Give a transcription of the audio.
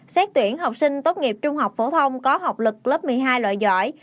xét tuyển học sinh tốt nghiệp trung học phổ thông có học lực lớp một mươi hai lợi giỏi